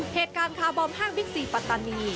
เหตุการณ์คาบอมห้างพิกษีปัตตานี